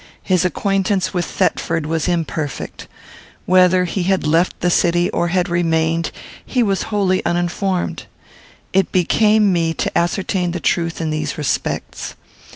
His acquaintance with Thetford was imperfect. Whether he had left the city or had remained, he was wholly uninformed. It became me to ascertain the truth in these respects.